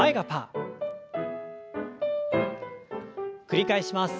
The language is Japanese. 繰り返します。